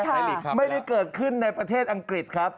ไทยลีกครับไม่ได้เกิดขึ้นในประเทศอังกฤษครับ